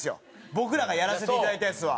僕らがやらせていただいたやつは。